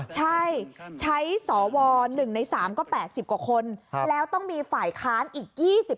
ใช่ใช้สว๑ใน๓ก็๘๐กว่าคนแล้วต้องมีฝ่ายค้านอีก๒๐